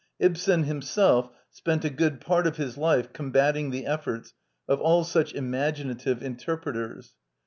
Ibsen himself spent a good part of his life combating the efforts of all such imaginative interpreters.